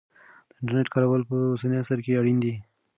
د انټرنیټ کارول په اوسني عصر کې اړین دی.